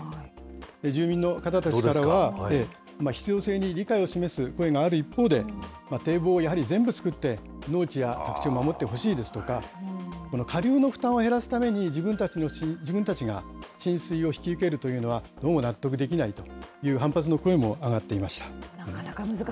住民の方たちからは、必要性に理解を示す声がある一方で、堤防をやはり全部造って、農地や宅地を守ってほしいですとか、下流の負担を減らすために、自分たちが浸水を引き受けるというのは、どうも納得できないという反発の声も上がっていました。